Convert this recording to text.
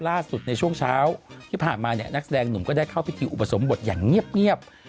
ล่าสุดในช่วงเช้าที่ผ่านมาเนี่ยนักแสดงหนุ่มก็ได้เข้าพิธีอุปสมบทอย่างเงียบ